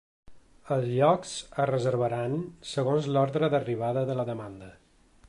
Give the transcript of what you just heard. Els llocs es reservaran segons l’ordre d’arribada de la demanda.